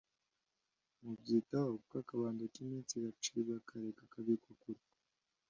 mubyitaho kuko akabando k’iminsi gacibwa kare kakabikwa kure”.